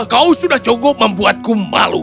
kau sudah cukup membuatku malu